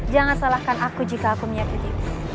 jangan salahkan aku jika aku menyakiti